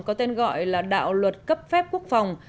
có tên gọi là đạo luật cấp phép quốc phòng